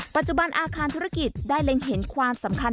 ปัจจุบันอาคารธุรกิจได้เล็งเห็นความสำคัญ